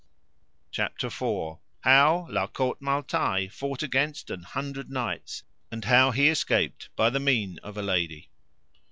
CHAPTER IV. How La Cote Male Taile fought against an hundred knights, and how he escaped by the mean of a lady.